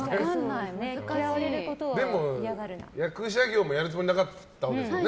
でも、役者業もやるつもりなかったでしょう。